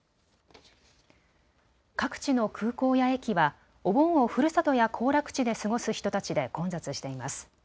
各地の空港や駅は、お盆をふるさとや行楽地で過ごす人たちで混雑しています。